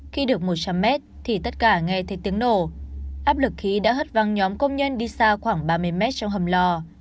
khi được một trăm linh mét thì tất cả nghe thấy tiếng nổ áp lực khí đã hất văng nhóm công nhân đi xa khoảng ba mươi mét trong hầm lò